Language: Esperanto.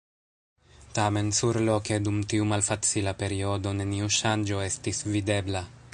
Tamen, surloke, dum tiu malfacila periodo, neniu ŝanĝo estis videbla.